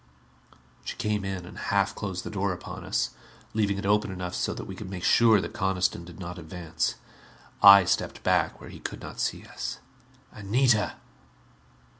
She came in and half closed the door upon us, leaving it open enough so that we could make sure that Coniston did not advance. I stepped back where he could not see us. "Anita!"